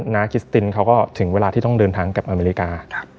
นาคิสตินเขาก็ถึงเวลาที่ต้องเดินทางกับอเมริกา